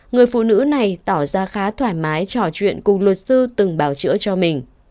người phụ nữ này tỏ ra khá thoải mái trò chuyện cùng luật sư từng bảo chữa cho mình